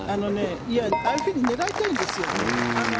いや、ああいうふうに狙いたいんですよ。